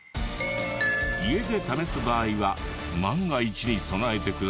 家で試す場合は万が一に備えてくださいね。